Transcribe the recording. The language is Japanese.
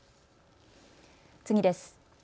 次です。